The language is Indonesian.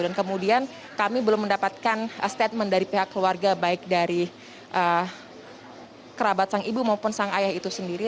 dan kemudian kami belum mendapatkan statement dari pihak keluarga baik dari kerabat sang ibu maupun sang ayah itu sendiri